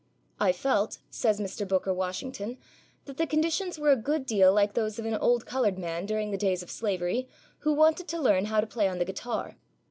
'I felt,' says Mr. Booker Washington, 'that the conditions were a good deal like those of an old coloured man, during the days of slavery, who wanted to learn how to play on the guitar.